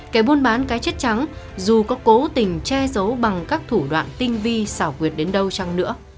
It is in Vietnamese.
kẻ buôn bán cái chết trắng dù có cố tình che giấu bằng các thủ đoạn tinh vi xảo quyệt đến đâu chăng nữa